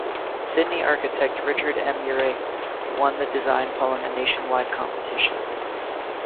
Sydney architect Richard M. Ure won the design following a nationwide competition.